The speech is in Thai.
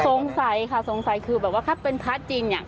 สงสัยค่ะสงสัยคือแบบว่าถ้าเป็นพระจริงเนี่ย